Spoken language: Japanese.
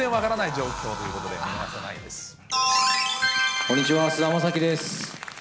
こんにちは、菅田将暉です。